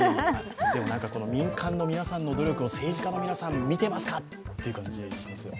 でも民間の皆さんの努力を政治家の皆さん、見てますかって感じです。